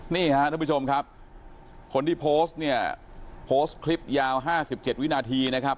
นี่ฮะทุกผู้ชมครับคนที่โพสต์เนี่ยโพสต์คลิปยาว๕๗วินาทีนะครับ